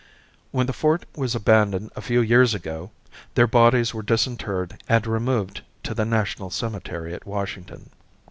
When the fort was abandoned a few years ago, their bodies were disinterred and removed to the National cemetery at Washington.